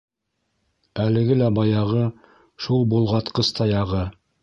Әлеге лә баяғы, шул болғатҡыс таяғы.